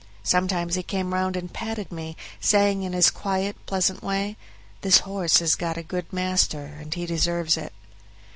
Sometimes he came round and patted me, saying in his quiet, pleasant way, "This horse has got a good master, and he deserves it."